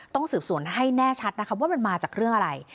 ต้องสืบสวนให้แน่ชัดนะคะว่ามันมาจากเรื่องอะไร